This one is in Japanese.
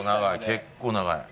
結構長い。